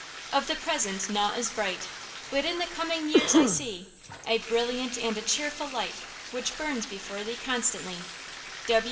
Of the present naught is bright, But in the coming years I see A brilliant and a cheerful light, Which burns before thee constantly.